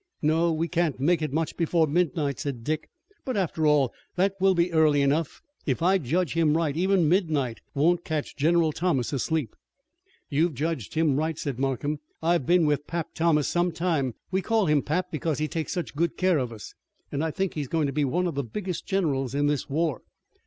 "No, we can't make it much before midnight," said Dick, "but, after all, that will be early enough. If I judge him right, even midnight won't catch General Thomas asleep." "You've judged him right," said Markham. "I've been with 'Pap' Thomas some time we call him 'Pap' because he takes such good care of us and I think he is going to be one of the biggest generals in this war.